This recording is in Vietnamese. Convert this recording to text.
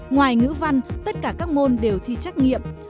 ngoài ngữ văn tất cả các môn đều thi trắc nghiệm